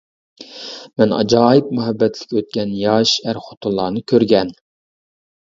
مەن ئاجايىپ مۇھەببەتلىك ئۆتكەن ياش ئەر-خوتۇنلارنى كۆرگەن.